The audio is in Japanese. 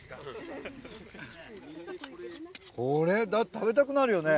これ食べたくなるよね。